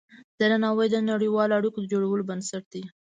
درناوی د نړیوالو اړیکو د جوړولو بنسټ دی.